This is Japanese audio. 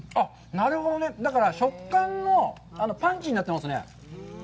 なるほどね、だから食感のパンチになってますね。